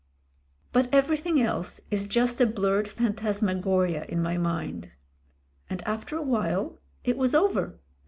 But everything else is just a blurred phantasmagoria in my mind. And after a while it was over.